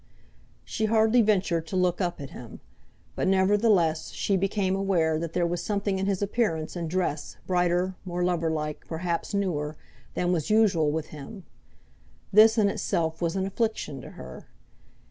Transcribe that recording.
She hardly ventured to look up at him; but, nevertheless, she became aware that there was something in his appearance and dress brighter, more lover like, perhaps newer, than was usual with him. This in itself was an affliction to her.